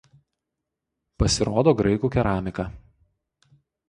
Pasirodo graikų keramika.